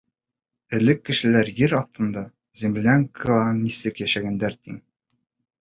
Элек кешеләр ер аҫтында, землянкала нисек йәшәгәндәр тиң?